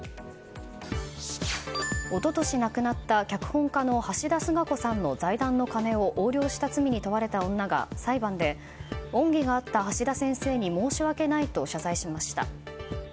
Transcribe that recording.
一昨年亡くなった脚本家の橋田壽賀子さんの財団の金を横領した罪に問われた女が裁判で恩義があった橋田先生に申し訳ないと謝罪しました。